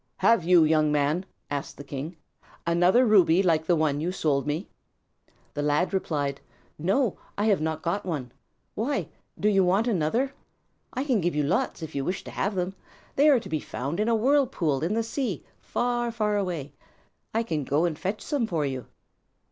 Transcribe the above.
"Have you, young man," asked the king, "another ruby like the one you sold me?" The lad replied: "No, I have not got one. Why, do you want another? I can give you lots, if you wish to have them. They are to be found in a whirlpool in the sea, far, far away. I can go and fetch some for you."